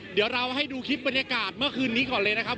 เดี๋ยวเราให้ดูคลิปบรรยากาศเมื่อคืนนี้ก่อนเลยนะครับ